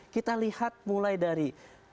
kita lihat mulai dari dua ratus dua belas